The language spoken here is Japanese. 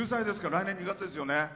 来年２月ですよね。